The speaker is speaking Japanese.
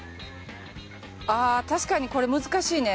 ああ確かにこれ難しいね。